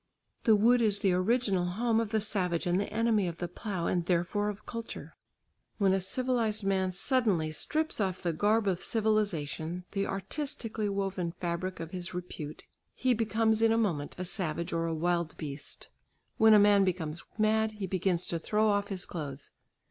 The wood is the original home of the savage and the enemy of the plough and therefore of culture. When a civilised man suddenly strips off the garb of civilisation, the artistically woven fabric of his repute, he becomes in a moment a savage or a wild beast. When a man becomes mad, he begins to throw off his clothes.